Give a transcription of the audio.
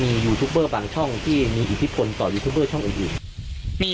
มียูทูปเบอร์บางช่องที่มีอิทธิปนต์ต่อต่อช่องอีก